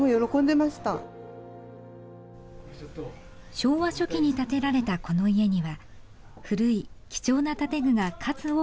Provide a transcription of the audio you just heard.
昭和初期に建てられたこの家には古い貴重な建具が数多くありました。